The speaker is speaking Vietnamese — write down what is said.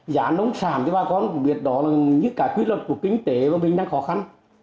giá nông sản thì bà con cũng biết đó là những cái quyết luật của kinh tế và mình đang khó khăn